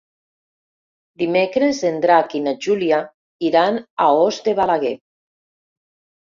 Dimecres en Drac i na Júlia iran a Os de Balaguer.